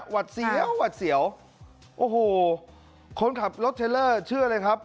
วัดเสียวหวัดเสียวโอ้โหคนขับรถเทลเลอร์เชื่อเลยครับ